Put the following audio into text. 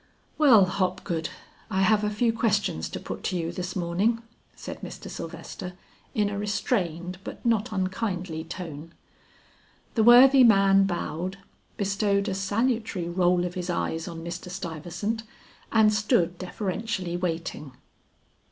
"Well, Hopgood, I have a few questions to put to you this morning," said Mr. Sylvester in a restrained, but not unkindly tone. The worthy man bowed, bestowed a salutatory roll of his eyes on Mr. Stuyvesant, and stood deferentially waiting.